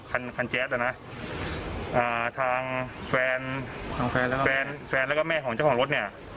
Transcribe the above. แฟนแล้วก็แม่ของเจ้าของรถเนี่ย